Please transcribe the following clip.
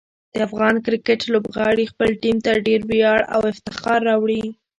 د افغان کرکټ لوبغاړي خپل ټیم ته ډېر ویاړ او افتخار راوړي.